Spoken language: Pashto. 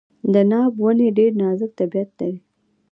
د ناک ونې ډیر نازک طبیعت لري.